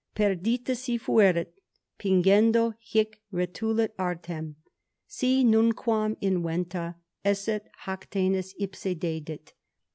PERDITA SI FUERAT, PINGENDO HIC RETULIT ARTEM; SI NUNQUAM INVENTA ESSET HACTENUS, IPSE DEDIT.